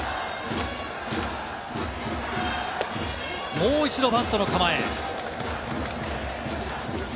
もう一度バントの構え。